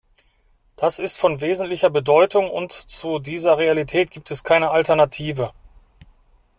Das ist von wesentlicher Bedeutung, und zu dieser Realität gibt es keine Alternative.